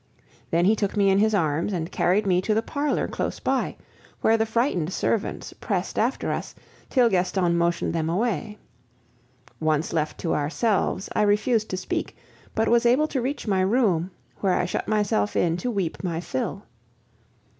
Then he took me in his arms and carried me to the parlor close by, where the frightened servants pressed after us, till Gaston motioned them away. Once left to ourselves, I refused to speak, but was able to reach my room, where I shut myself in, to weep my fill.